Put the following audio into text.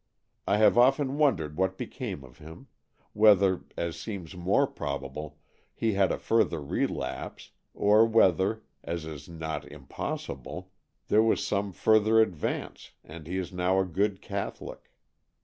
I have often wondered what became of him — whether, as seems more probable, he had a further relapse, or whether, as is not im possible, there was some further advance and he is now a good Catholic.